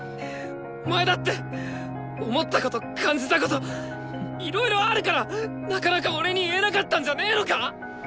お前だって思ったこと感じたこといろいろあるからなかなか俺に言えなかったんじゃねのか！？